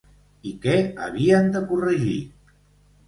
I què havien de corregir?